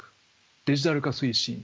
デジタル化推進